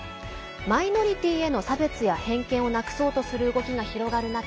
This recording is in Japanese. マイノリティーへの差別や偏見をなくそうとする動きが広がる中